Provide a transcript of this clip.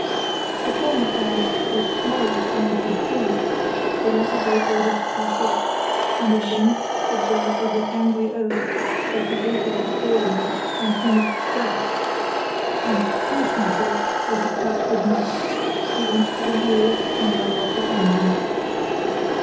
The former urged that to morrow's tide would do, the latter gave orders to cast off, and at length observed with an angry oath that the water was falling, and he must start; and, to clinch matters, with a curt good night, he went to the wheel and rang up his engines.